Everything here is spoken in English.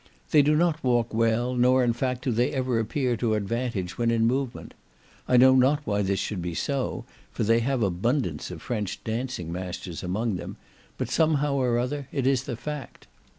They do not walk well, nor, in fact, do they ever appear to advantage when in movement. I know not why this should be, for they have abundance of French dancing masters among them, but somehow or other it is the fact.